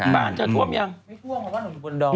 บ้านจะท่วมยัง